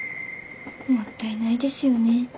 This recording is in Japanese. もったいないですよね。